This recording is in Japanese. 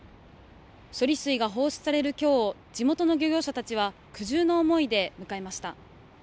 処理水が放出されるきょうを地元の漁業者たちは苦渋の思いで迎えました。